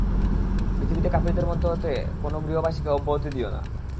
পৃথিবীতে কাফিরদের মধ্য হতে কোন গৃহবাসীকে অব্যাহতি দিও না।